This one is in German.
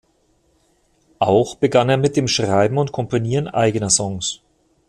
Auch begann er mit dem Schreiben und Komponieren eigener Songs.